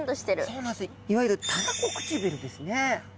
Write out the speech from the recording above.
そうなんですよ。いわゆるたらこ唇ですね。